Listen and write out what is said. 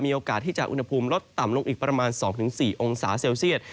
โอกาสที่จะอุณหภูมิลดต่ำลงอีกประมาณ๒๔องศาเซลเซียต